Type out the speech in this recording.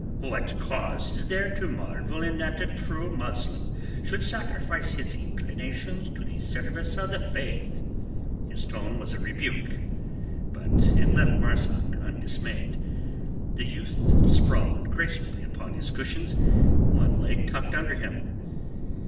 "What cause is there to marvel in that a true Muslim should sacrifice his inclinations to the service of the Faith?" His tone was a rebuke; but it left Marzak undismayed. The youth sprawled gracefully upon his cushions, one leg tucked under him.